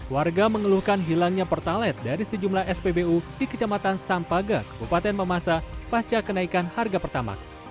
warga mengeluhkan hilangnya pertalet dari sejumlah spbu di kecamatan sampaga kepupaten mamasa pasca kenaikan harga pertamax